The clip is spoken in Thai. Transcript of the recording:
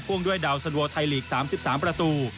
วงด้วยดาวสันโวไทยลีก๓๓ประตู